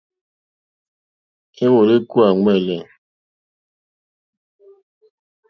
Éwòló ékúwà ɱwɛ̂lɛ̂.